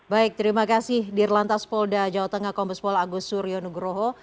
baik terima kasih dirlantas polda jawa tengah kombespol agus suryo nugroho